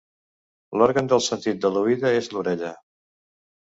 L'òrgan del sentit de l'oïda és l'orella.